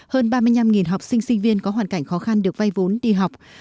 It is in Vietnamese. hơn ba mươi năm học sinh sinh viên có hoàn cảnh khó khăn được vay vốn đi học